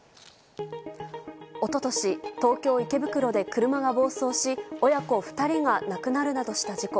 一昨年東京・池袋で車が暴走し親子２人が亡くなるなどした事故。